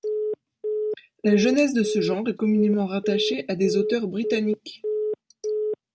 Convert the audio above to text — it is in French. La genèse de ce genre est communément rattachée à des auteurs britanniques.